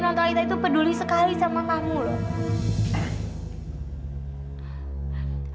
nontalita itu peduli sekali sama kamu loh